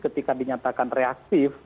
ketika dinyatakan reaktif